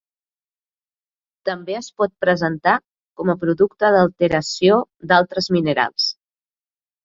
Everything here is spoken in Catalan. També es pot presentar com a producte d'alteració d'altres minerals.